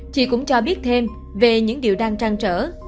chị cũng cho biết thêm về những điều đang trăn trở